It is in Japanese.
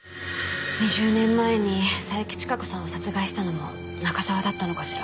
２０年前に佐伯千加子さんを殺害したのも中沢だったのかしら？